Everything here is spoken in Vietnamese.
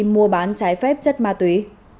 mua bán trái phép chất ma túy